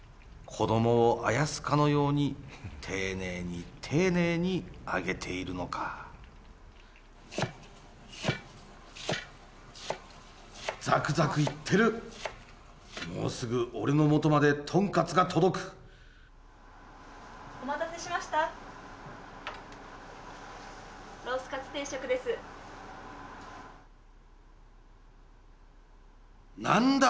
子供をあやすかのように丁寧に丁寧に揚げているのかザクザクいってるもうすぐ俺のもとまでとんかつが届くお待たせしましたロースかつ定食です何だ